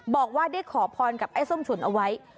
บอกว่าได้ขอพรกับไอ้ส้มฉุนเอาไว้